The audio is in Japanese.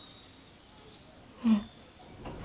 うん。